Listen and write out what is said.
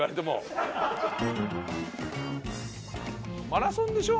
マラソンでしょ？